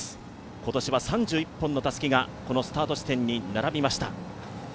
今年は３１本のたすきがこのスタート地点に並びました。